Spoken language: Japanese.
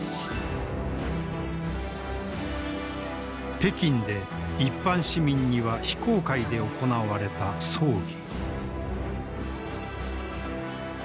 北京で一般市民には非公開で行われた葬儀。